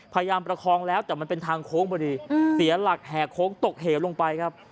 ประคองแล้วแต่มันเป็นทางโค้งพอดีเสียหลักแห่โค้งตกเหวลงไปครับ